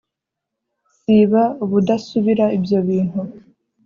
siba ubudasubira ibyo bintu